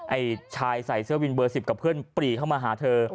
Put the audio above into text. ไอ้ชายใส่เสื้อวินเบอร์๑๐กับเพื่อนปรีเข้ามาหาเธอ